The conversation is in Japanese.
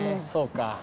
そうか。